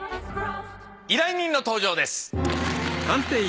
依頼人の登場です。